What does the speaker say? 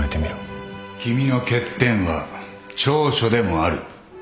君の欠点は長所でもある